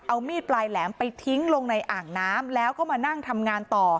เอามีดปลายแหลมไปทิ้งลงในอ่างน้ำแล้วก็มานั่งทำงานต่อ